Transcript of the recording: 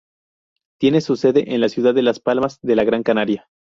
Tiene su sede en la ciudad de Las Palmas de Gran Canaria.